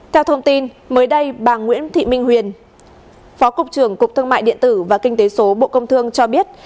theo thông tin mới đây bà nguyễn thị minh huyền phó cục trưởng cục thương mại điện tử và kinh tế số bộ công thương cho biết